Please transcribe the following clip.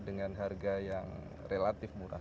dengan harga yang relatif murah